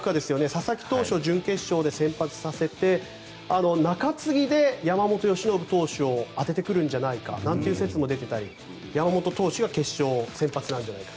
佐々木投手を準決勝で先発させて中継ぎで山本由伸投手を当ててくるんじゃないかという説も出てたり山本投手が決勝先発なんじゃないか。